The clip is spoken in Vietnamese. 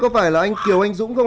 có phải là anh kiều anh dũng không ạ